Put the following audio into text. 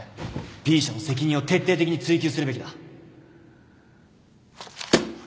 Ｂ 社の責任を徹底的に追及するべきだ